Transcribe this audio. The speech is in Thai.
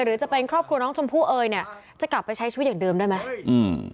หรือจะเป็นครอบครัวน้องชมพู่เอยเนี่ยจะกลับไปใช้ชีวิตอย่างเดิมได้ไหมอืม